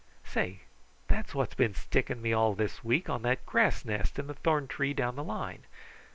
Say, that's what's been sticking me all of this week on that grass nest in the thorn tree down the line.